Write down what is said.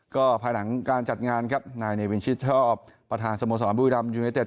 ก็ภายหลังการจัดงานครับนายเนวินชิดชอบประธานสโมสรบุรีรัมยูเนเต็